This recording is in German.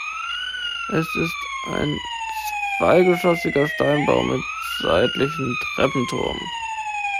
Es ist ein zweigeschossiger Steinbau mit seitlichem Treppenturm.